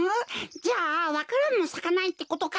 じゃあわか蘭もさかないってことか？